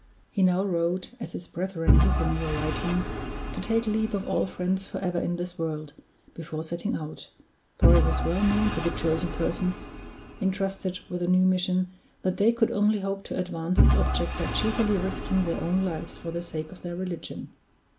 He now wrote, as his brethren with him were writing, to take leave of all friends forever in this world, before setting out for it was well known to the chosen persons intrusted with the new mission that they could only hope to advance its object by cheerfully risking their own lives for the sake of their religion.